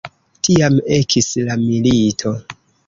Tiam ekis la milito.